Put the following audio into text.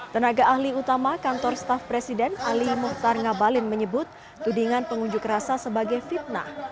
tenaga ahli utama kantor staff presiden ali muhtar ngabalin menyebut tudingan pengunjuk rasa sebagai fitnah